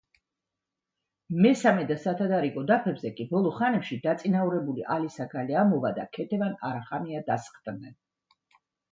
მესამე და სათადარიგო დაფებზე კი ბოლო ხანებში დაწინაურებული ალისა გალიამოვა და ქეთევან არახამია დასხდნენ.